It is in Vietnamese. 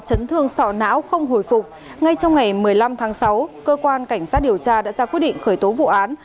chấn thương sọ não không hồi phục ngay trong ngày một mươi năm tháng sáu cơ quan cảnh sát điều tra đã ra quyết định khởi tố vụ án